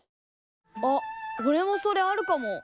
あっおれもそれあるかも。